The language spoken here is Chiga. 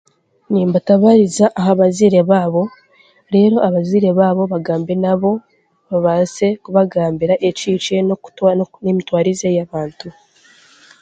Nimbatabaariza aha bazaire baabo, reero abazaire baabo bagambe nabo, babaase kubagambira ekihikire n'okutuura n'emitwarize y'abantu.